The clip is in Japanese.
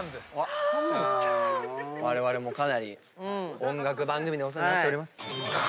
われわれも音楽番組でお世話になっております。